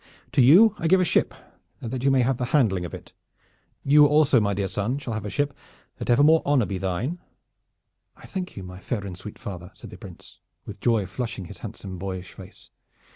To you I give a ship, that you may have the handling of it. You also, my dear son, shall have a ship, that evermore honor may be thine." "I thank you, my fair and sweet father," said the Prince, with joy flushing his handsome boyish face.